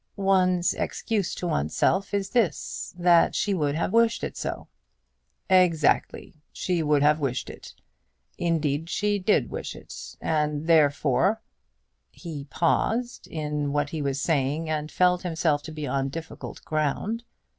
"One's excuse to oneself is this, that she would have wished it so." "Exactly. She would have wished it. Indeed she did wish it, and therefore " He paused in what he was saying, and felt himself to be on difficult ground.